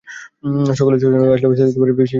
সকালে শ্মশানে আসিলেও সে আসিতে পারবে না।